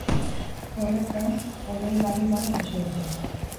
Horrez gain, oroigarri bana jaso dute.